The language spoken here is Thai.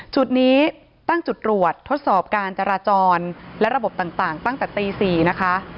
จุดนี้ตั้งจุดตรวจทดสอบการจราจรและระบบต่างตั้งแต่ตี๔นะคะ